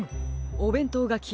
おべんとうがきえ